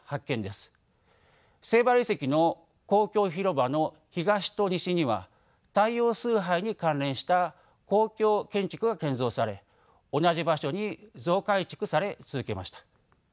セイバル遺跡の公共広場の東と西には太陽崇拝に関連した公共建築が建造され同じ場所に増改築され続けました。